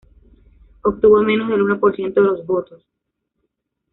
Obtuvo menos del uno por ciento de los votos.